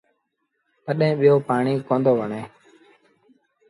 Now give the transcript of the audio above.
تڏهيݩ ٻيٚو پآڻيٚ ڪوندو وڻي۔